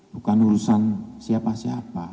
bukan urusan siapa siapa